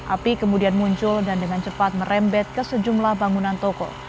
api kemudian muncul dan dengan cepat merembet ke sejumlah bangunan toko